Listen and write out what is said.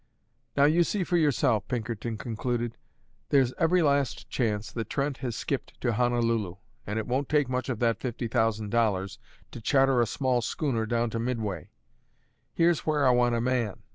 "Now you see for yourself," Pinkerton concluded: "there's every last chance that Trent has skipped to Honolulu, and it won't take much of that fifty thousand dollars to charter a smart schooner down to Midway. Here's where I want a man!"